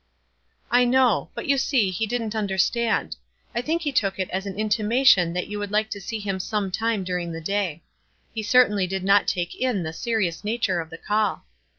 "I know; but you see he didn't understand. I think he took it as an intimation that you would like to see him some time during the day. He certainly did not take in the serious nature of the call."